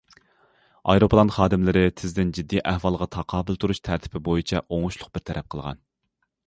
ئايروپىلان خادىملىرى تېزدىن جىددىي ئەھۋالغا تاقابىل تۇرۇش تەرتىپى بويىچە ئوڭۇشلۇق بىر تەرەپ قىلغان.